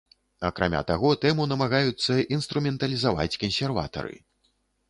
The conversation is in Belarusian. Акрамя таго, тэму намагаюцца інструменталізаваць кансерватары.